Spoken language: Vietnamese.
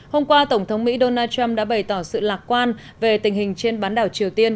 hôm qua tổng thống mỹ donald trump đã bày tỏ sự lạc quan về tình hình trên bán đảo triều tiên